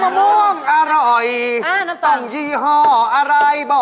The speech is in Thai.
ม่วงอร่อยต้องยี่ห้ออะไรบอก